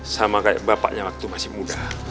sama kayak bapaknya waktu masih muda